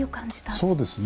そうですね。